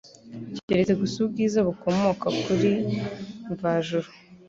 Keretse gusa ubwiza bukomoka ku kuri mvajuru